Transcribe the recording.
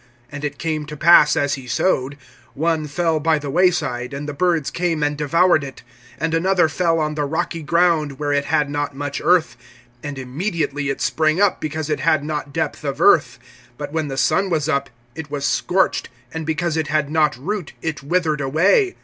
(4)And it came to pass, as he sowed, one fell by the way side, and the birds came and devoured it. (5)And another fell on the rocky ground, where it had not much earth; and immediately it sprang up, because it had not depth of earth. (6)But when the sun was up, it was scorched; and because it had not root, it withered away.